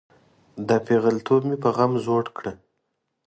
دا پیغلتوب مې په غم زوړ کړه.